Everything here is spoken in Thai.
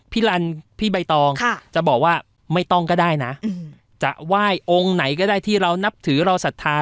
ลันพี่ใบตองจะบอกว่าไม่ต้องก็ได้นะจะไหว้องค์ไหนก็ได้ที่เรานับถือเราศรัทธา